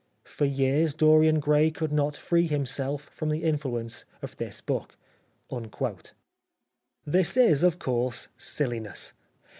... For years Dorian Gray could not free himself from the influence of this book," This is, of course, silliness.